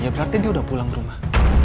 ya berarti dia udah pulang ke rumah